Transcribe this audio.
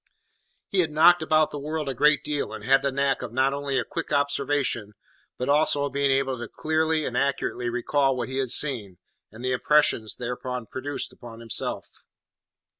He had knocked about the world a good deal, and had the knack of not only a quick observation, but also of being able to clearly and accurately recall what he had seen, and the impressions thereby produced upon himself.